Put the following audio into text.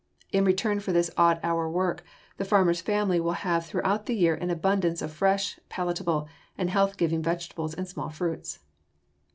In return for this odd hour work, the farmer's family will have throughout the year an abundance of fresh, palatable, and health giving vegetables and small fruits.